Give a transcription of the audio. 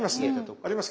あります。